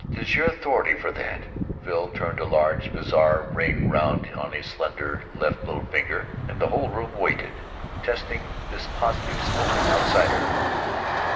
"What is your authority for that?" Phil turned a large, bizarre ring round on his slender left little finger and the whole room waited, testing this positive spoken outsider.